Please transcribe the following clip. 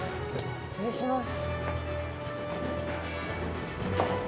失礼します。